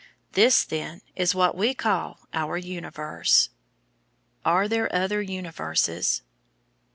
This, then is what we call our universe. Are there other Universes?